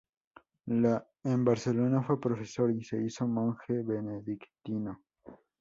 En Barcelona fue profesor y se hizo monje benedictino.